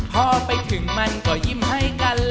พอไปถึงมันก็ยิ้มให้กัน